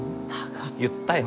言ったよ。